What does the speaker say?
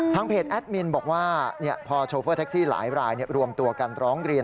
เพจแอดมินบอกว่าพอโชเฟอร์แท็กซี่หลายรายรวมตัวกันร้องเรียน